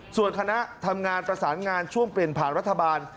ส่วนคณะทำงานประสานงานช่วงเปลี่ยนผ่านรัฐบาล